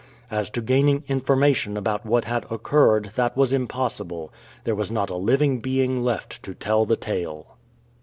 As to gaining information about what had occurred, that was impossible. There was not a living being left to tell the tale.